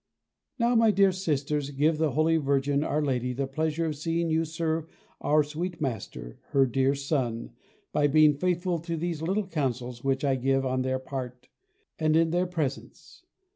Now, my dear Sisters, give the Holy Virgin, our Lady, the pleasure of seeing you serve our sweet Master, her dear Son, by being faithful to these little counsels which I give on their part, and in their presence.